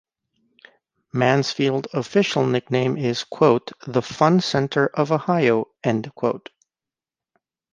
Mansfield's official nickname is "The Fun Center of Ohio".